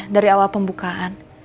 dari awal pembukaan